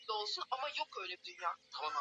unaweza kupika matembele kwa kuchemsha na maji tu